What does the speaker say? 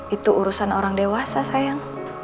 itu urusan orang dewasa sayang